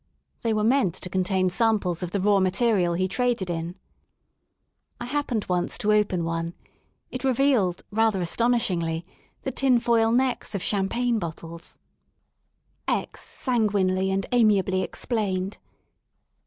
They were meant to contain samples of the raw material he traded in, I happened once to open one; it revealed rather astonishingly the tipfoil necks of champagne bottles, X, sanguinely and amiably explained.